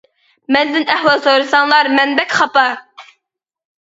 مەندىن ئەھۋال سورىساڭلار مەن بەك خاپا!